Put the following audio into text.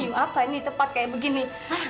you apa ini tepat kayak begini